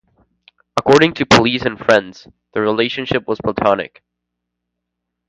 According to police and friends, their relationship was platonic.